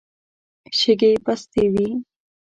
شګې پستې وې.